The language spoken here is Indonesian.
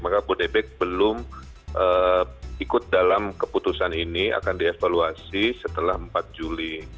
maka bodebek belum ikut dalam keputusan ini akan dievaluasi setelah empat juli